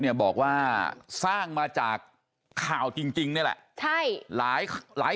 เนี่ยบอกว่าสร้างมาจากข่าวจริงนี่แหละใช่หลายหลาย